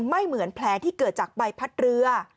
ไม่เหมือนแผลที่เกิดจากใบพัดเรือ